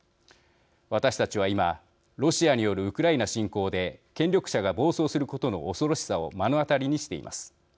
私たちは今ロシアによるウクライナ侵攻で権力者が暴走することの恐ろしさを目の当たりにしています。